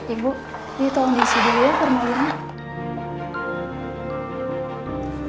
ibu tolong diisi dulu permulaannya